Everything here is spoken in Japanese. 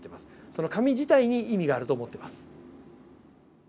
その紙自体に意味があると思ってます。